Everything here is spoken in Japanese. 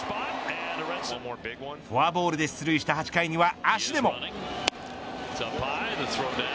フォアボールで出塁した８回には足でも。